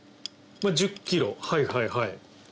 １０ｋｇはいはい。